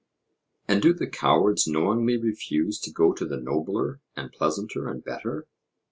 And do the cowards knowingly refuse to go to the nobler, and pleasanter, and better?